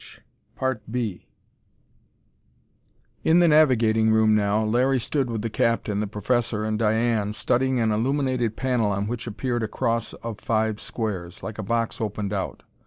In the navigating room now, Larry stood with the captain, the professor and Diane, studying an illuminated panel on which appeared a cross of five squares, like a box opened out.